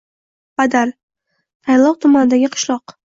Badal – Tayloq tumanidagi qishloq.